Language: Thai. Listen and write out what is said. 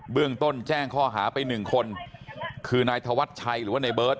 เรื่องต้นแจ้งข้อหาไปหนึ่งคนคือนายธวัชชัยหรือว่าในเบิร์ต